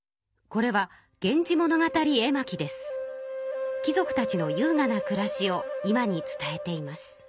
これは貴族たちのゆうがなくらしを今に伝えています。